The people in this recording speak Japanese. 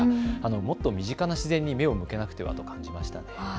もっと身近な自然に目を向けなくてはと感じました。